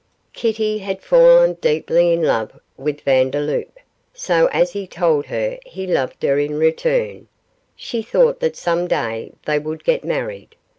Kitty had fallen deeply in love with Vandeloup, so as he told her he loved her in return, she thought that some day they would get married.